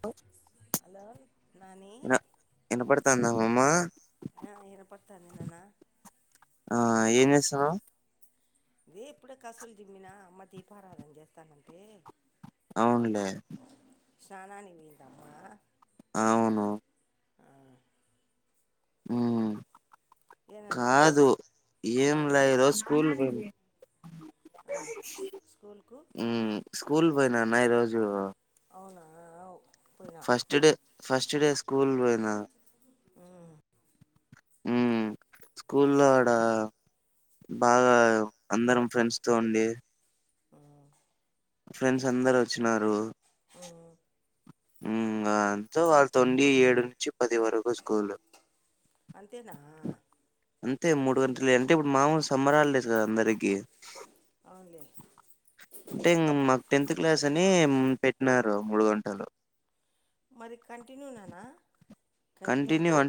హ హలో నాని ఇనపడుతాందా మామ ఆ ఏను పడుత నాన్న ఎంచేస్తున్నావ్ ఇదే ఎప్పుడ కసుూలు జిమ్మినా అమ్మ దీపారాధన చేస్తానంటే అవునులే స్నానానికి పోయిందా అమ్మా ఆవును అం ఏనన్నా కాదు ఏం ఆ లేయరో స్కూల్ ఆ స్కూల్కు కూల్ పోయినాన ఈరోజు అవునా అవ్ first day first day school వొయిన ఉమ్ అం స్కూలో ఆడ బాగా అందరం ఫ్రెండ్స్ తో ఉండి ఉమ్ ఫ్రెండ్స్ అందరు వచ్చినారు ఉమ్ అం అంతో వాళ్ళ తొండి ఏడు నుంచి పది వరకు స్కూల్ అంతెనా అంతే మూడు గంటలు అంటే ఇప్పుడు మామూలు సమ్మరాల్డేస్ కదా అందరికీ అవునులే అంటే ఇంగ మాకు టెన్త్ క్లాస్ అనీ పెట్టినారు మూడు గంటలు మరి కంటిన్యూ నేనా కంటిన్యూ అం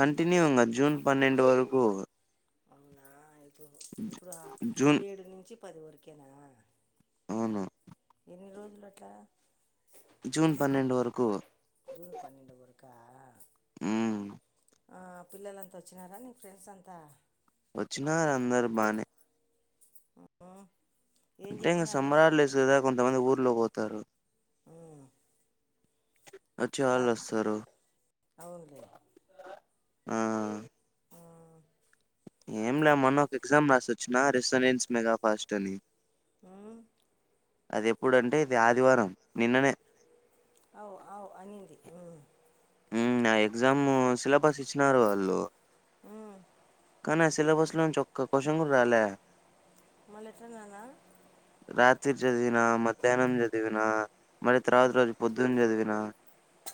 కంటిన్యూ ఇంగా జూన్ పన్నెండు వరకు అవునా ఇప్పుడా జూన్ ఏడు నుంచి పది వరికేనా అవును ఎన్ని రోజులట్ట జూన్ పన్నెండు వరకు జూన్ పన్నెండు వరకా ఉం ఆ పిల్లలంతా వచ్చినారా నీ ఫ్రెండ్స్ అంతా వచ్చినారందరు బానే ఆ అంటే ఇంగ సమ్మరాల్డేస్ గదా కొంతమంది ఊరు ఉళ్లు పోతారు అం అ చాలస్తారు అవునులే ఉమ్, ఏం లే మన్న ఒక ఎగ్జామ్ రాసొచ్చిన రెసడెన్స్ మెగా ఫాస్ట్ అని ఆ అది ఎప్పుడంటే ఇది ఆదివారం నిన్ననే అవు అవు అనింది ఇం అం నా ఎగ్జామ్ సిలబస్ ఇచ్చినారు వాళ్ళు అం కాని ఆ సిలబస్ లోంచి ఒక్క క్వషన్ కూడ రాలే మల్లెట్ల నానా తిర్ చదివినా మధ్యాహ్నం చది వినా మరి తర్వాత రోజు పొద్దున చదివిన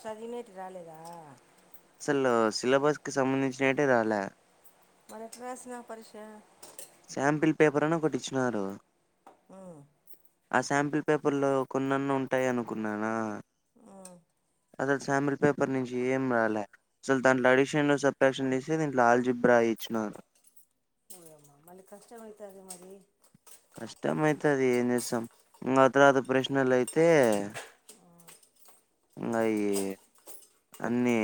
చదివినేటి రాలేదా అసలు సిలబస్కి సంబంధించినేటే రాలే మరి ఎట్ల రాసినావ్ పరీక్ష శాంపిల్ పేపర్ అని ఒకటి ఇచ్చినారు ఆ ఆ శాంపిల్ పేపర్లో కొన్నన్న ఉంటాయి అనుకున్నానా ఆ అసలు శాంబల్ పేపర్ నుంచి ఏం రాలే అసలు దాంట్లో అడిషన్లు సబ్ట్రాక్షన్ చేసి దీంట్లో ఆల్జీబ్రా ఇచ్చినాను ఓయ్యమ మళ్ళీ కష్టమైతాదె మరి కష్టం అయితే అది ఏం చేస్తాం ఇంకా తర్వాత ప్రశ్నలు అయితే ఉమ్, ఇంగఈ అన్నీ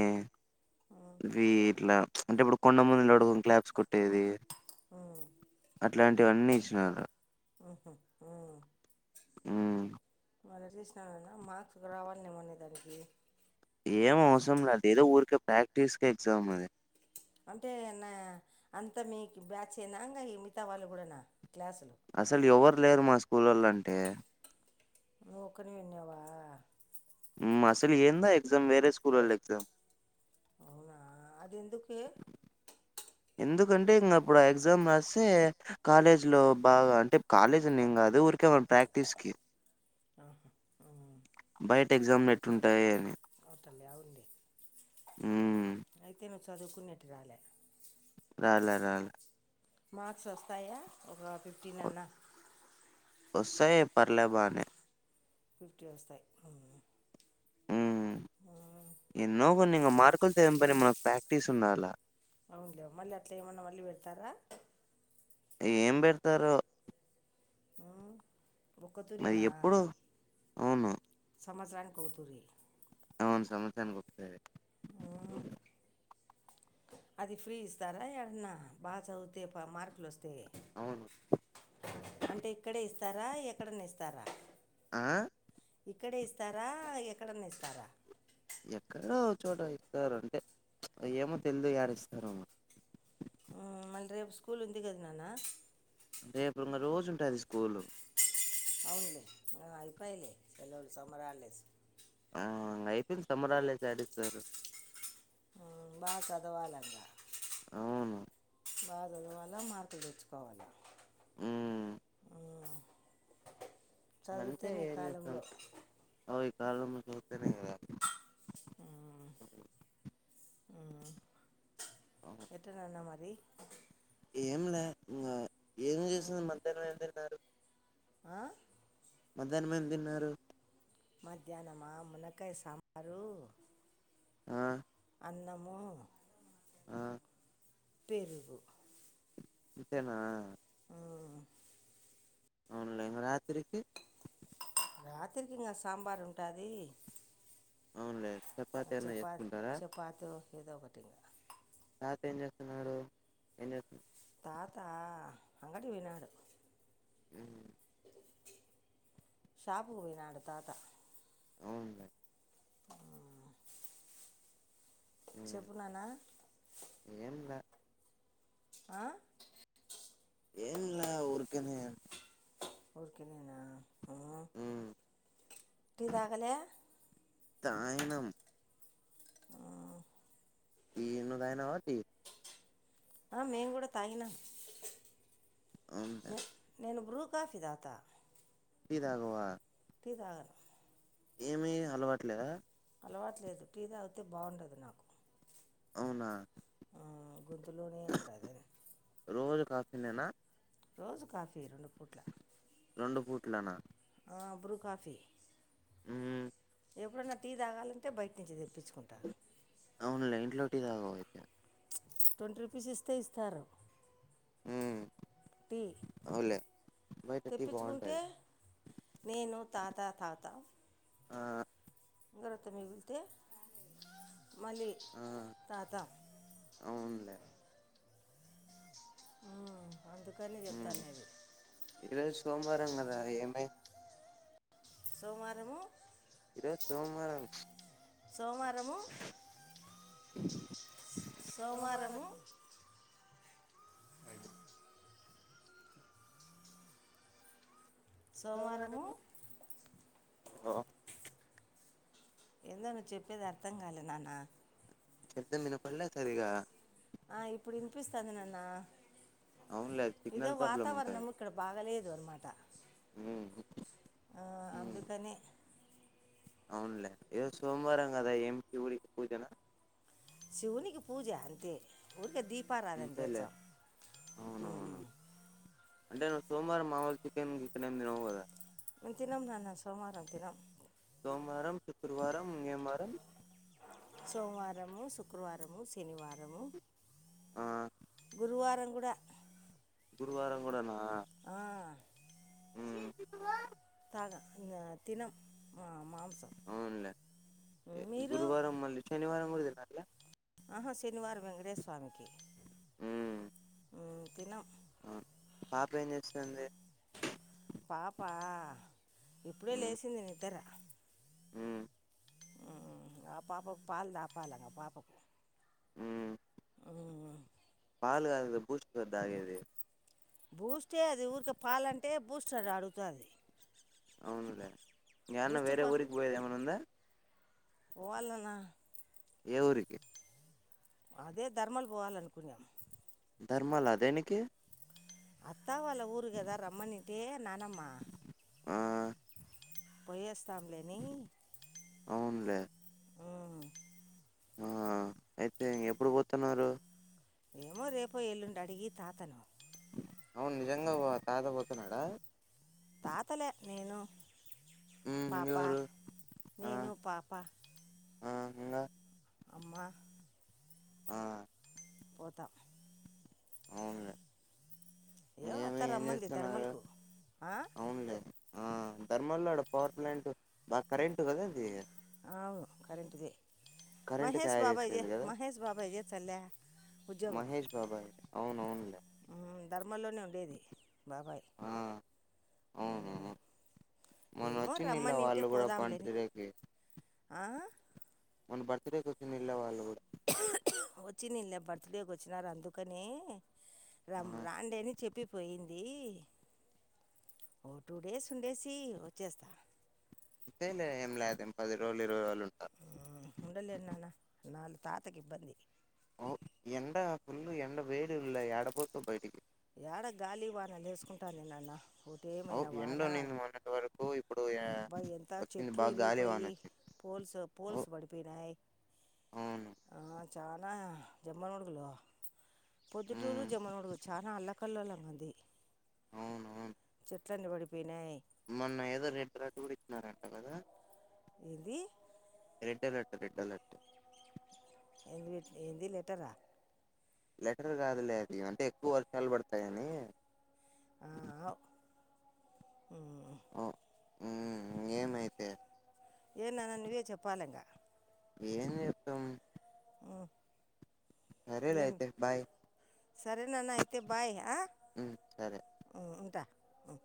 ఉమ్, ఇ ఇట్లా చ్ అంటే ఇప్పుడు కొండ ముందుడుకు క్లలాబ్స్ కొట్టేది ఉమ్, అట్లాంటివన్నీ ఇచ్చినారు ఉహు, అ వాళ్ళ చేసిననన్న మార్క్స్ రావాల్నెమోనే దానికి ఏం అవసరం ల్య అద్ ఏదో ఊరికే ప్రాక్టీస్ కెగ్జామ్ అది అంటే అన్న అంతా మీకి బ్యాచ్ ఏనా ఇంగయి మిగ్తా వాళ్ళు కూడనా క్లాస్ అసలు ఎవ్వరు లేరు మా స్కూళ్ళలో అంటే నువ్వొకనివ్యే ఇన్యవా మ్మ్ అసలు ఏందా ఎగ్జామ్ వేరే స్కూళ్ళలో ఎగ్జామ్ అవునా అది ఎందుకే ఎందుకంటే ఇంక అప్పుడు ఆ ఎగ్జామ్ రాస్తే కాలేజ్లో బాగా అంటే కాలేజనేం ఏం కాదు ఊరికే మనం ప్రాక్టీస్కి ఆహా మ్మ్ బయట ఎగ్జామ్ ఎట్టుంటాయి అని అవ్తల్ ల్యావండి హ్మ్. అయితే ను చదువుకునేట్టు రాలే రాలా రాల మార్క్స్ వస్తాయా ఒక ఫిఫ్టీన్ అన్నా వస్తాయ్ పర్ల బానే ఫిఫ్టీ వస్తాయి మ్మ్ మ్మ్ ఎన్నో కొన్ని ఇక మార్కుల్ తో ఏం పని మన ప్రాక్టీస్ ఉన్నాలా అవునులేవు మళ్ళీ అట్లా ఏమన్నా మళ్ళీ పెడతారా ఏం పెడతారో ఆ మరి ఎప్పుడు అవును సంవత్సరానిక్ ఒకతుూరీ అవును సమస్త్సరానిక్ ఒకసారే అది ఫ్రీ ఇస్తారా యాడన్న బాగా చదివితే పా మార్కులు వస్ [unintelligible] స్తే అవును. అంటే ఇక్కడే ఇస్ ఇస్తారా ఎక్కడన్న ఇస్తారా ఆ ఇక్కడే ఇస్తారా ఎక్కడన్న ఇస్తారా ఎక్కడో ఓ చోట ఇస్తారు అంటే ఏమో తెలుదు యాడిస్తారొ మళ్ళీ రేపు స్కూల్ ఉంది కదా నాన్న రేపు ఇంకా రోజు ఉంటాది స్కూల్ అవునులే అయిపోయిలే పిల్లల సమర్ హాలిడేస్ ఆ ఇంక అయిపోంది సమ్మర్ యాడిస్తారు ఊ బాగా చదవా [unintelligible] లిగా అవును బాగా చదవాలా మార్కులు తెచ్చుకోవాలి అ అంటే చదివితేనే ఈ ఏం చేస్తాం కాలంలో [unintelligible] సాల సతేనే కద ఆ ఎట్టనాన్న మరి ఏమిలే ఇంక ఏం చేస్తుంది మధ్యాహ్నం ఏం తిన్నారు ఆ మధ్యాహ్నం ఏం తిన్నారు మధ్యాహ్నమా మునకాయ సాంబారు ఆ అన్నము ఆ పెరుగు అంతేనా మ్మ్. అవున్లై రాత్రికి రాత్రికి ఇంక సాంబార్ ఉంటాది అవునులే చపాత అన్నా చేసుకుంటారా చపాతి ఏదో ఒకటింగా తాత ఏం చేస్తున్నాడు ఏం చేస్తున్నా తాత అంగడికి పొయినాడు అ షాపుకి పొయినాడు తాత అవును హ్మ్ చెప్పు నానా ఏంలే ఆ ఏంల ఊరుకనే ఊర్కనేనా ఉమ్ టీ దాగలా తాగినం టీ నువ్వు దగినవా టీ ఆ మేం కూడా తాగిన అవునులే న నేను బ్రూ కాఫీ తాగుతావా టీ తాగవా టీ తాగర ఏమి అలవాట్లేద అలవాట్లేదు టి అగితే బాగుండదు నాకు అవునా ఆ గొంతులోనే ఉంటాది ఇన నా రోజు కాఫీ రెండు పూట్ల రెండు పుట్ల లానా అ బ్రూ కాఫీ ఉమ్ ఎప్పుడన్నా టీ తాగాలంటే బయట నుంచి తెప్పించు ఆవున్లే ఇంట్లో టీ తాగవు అయితే ట్వంటీ రూపీస్ ఇస్తే ఇస్తారు ఉమ్ టీ అవునులే బయట టీ తెప్పించుకుంటే బాగుంటది నేను తాత తాగుతాం ఆ ఇంకా రోంత మిగిలితే మళ్ళీ ఆ తాత అవునులే ఆ ఉమ్ ఈరోజు సోమవారం కదా ఏమ సోమవారము ఈ రోజు సోమవారం సోమారం రము సోమవారం సోమవారము సోమారము ఆ ఏందో నువ్వు చెప్పేది అర్థం గాలే ననా శబ్దం వినిపిలె సరిగ్గా ఆ ఇప్పుడు వినిపిస్తంది నాన్న అవునులే ఇదో సిగ్నల్ ప్రాబ్లం ఉంటది వాతావరణము ఇక్కడ బాగాలేదు మాట ఉమ్ ఆ ఉమ్ అందుకని అవునులే ఏదో సోమవారం కదా ఏమి శివుడికి పూజన శివునికి పూజా అంతే ఊరికే దీప ప్రార్థన అంతేలే చేచ్చాం అవునవును హమ్ అంటే నువ్వు సోమవారం మామూలు చికెన్ గికెను ఏమి తినవు కదా తినం నన్న సోమారం తినం సోమవారం శుక్రవారం ముంగేవారం సోమవారము శుక్రవారము శనివారము ఆ గురువారామ్ అంగుడ గురువారం కూడా నా ఆ అ తాగా తినం మా మామ అవునులే గురువారం మళ్ళీ శనివారం కూడా తినాలలే ఆహా శనివారం వెంకటేేశ స్వామికి మ్మ్ దినం పాప ఏం చేస్తుంది పా పా ఇప్పుడే లేసింది నిదర అ ఆ పాపకు పాాలంట పాల అ పాపకు అవు పాలుగారు బూస్ట్ రద్దంది బూస్టే అది ఊరికి పాలంటే బూస్ట అడుగుతుది అవునులే ఇంకాన్న బూస్ట్ వేరే ఊరికి పోయేది ఏమైనా ఉందా పవాలనా ఎవరికి అదే ధర్మాలు పోవాలనుకున్నాం ధర్మాల దేనికి తావాల ఊరుకదా రమ్మనింటే నానమ్మా ఆ వయేస్ చబలేని అవునులే ఆ అయితే ఇం ఎప్పుడు పోతున్నారు ఏమో రేపో ఎల్లుండి అడిగి తాతను అవును నిజంగా తాత పోతున్నాడా తాతలే నేను హ్మ్. పాపా ఇంగెవరు? ఆ! నేను పాపా ఆ! ఇంగా? అమ్మ ఆ పతం అవు ఏ అత్త ఇంేమి ఏం రమ్మంది చేస్తున్నారు ధర్మలకు ఆ? అవునులే ఆ ధర్మాల్లో ఆడ పవర్ ప్లాంట్ బాగా కరెంటు కదా అది అవును కరెంట్ దే. కరెంట్ మహష్ తయారు బాబాయి చే చేసేది కదా! మహష్ బాబాయి జే సర్లే మహేష్ బాబాయ్ అవును అవునులే రమ్మల్లోనే ఉండేది బాబాయ్ ఆ! అవును. ఉమ్ ఏమో మొన్నొచ్చిన్నిళ్ళ రమ్మనింటే వాళ్ళు గూడా పోదాంలేని బర్త్‌డేకి. ఆహ్ మొన్న బర్తడే కి వచ్చింలే వాళ్ళు కూడా. వచ్చినీళ్ళే బర్త్డేకి వచ్చినారు అందుకని ఆ! రమ్ రాండి అని చెప్పు తప్పిపోయింది ఓ టూ డేస్ ఉండేసి వచ్చేస్తా. పోనీలే ఏం లేదూ పది రోజులు ఇరవై రోజులు ఉం ఉండలేను నాన్న వాళ్ళ తాతకి ఇబ్బంది. ఓ ఎండ ఫుల్ ఎండ వేడీవుంలే ఎడపోతవు బయటికి ఏడ గాలి వానలు వేసుకుంటాంది నాన్న ఒకటే అవు ఏమైనా వాన ఎండుండింది మొన్నటి వరకు ఇప్పుడు ఆ అబ్బా ఎంత వచ్చింది చెట్లు బాగా గాలి విరిగిపోయి వానొచ్చింది పోల్స్ ఓ పోల్స్ పడిపోయినాయి. అవును. ఆహ్ చానా జమ్మలమడుగులో పొద్దుటూరు హ్మ్. జమ్మలమడుగు చానా అల కల్లోలముంగుంది. అవునవును. తండ పడిపొ మొన్న ఏదో నెట్ రాక్ గు ఉన్నారంట కదా. ఏంది. Red alert red alert. ఏం ఏంది లెటరా. లెటర్ కాదులే అది అంటే ఎక్కువ వర్షాలు పడతాయని. ఆహ్ ఆవ్ ఉమ్ ఉమ్ ఏమైతే. ఏం నాన్న నువ్వే చెప్పాలి ఇంకా. ఏం చెప్తాం. సరేలే ఏం అయితే బాయ్. సరేనన్న అయితే బాయ్ ఆహ్ హ్మ్. సరే. ఉమ్ ఉంటా. ఆహ్